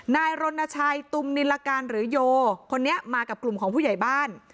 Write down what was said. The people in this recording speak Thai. นายรณชัยตุมนิลการหรือโยคนนี้มากับกลุ่มของผู้ใหญ่บ้าน